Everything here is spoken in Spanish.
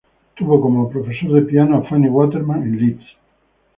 Tuvo como profesor de piano a Fanny Waterman en Leeds.